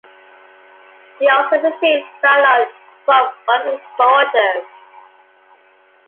She also received fan art from one of the soldiers.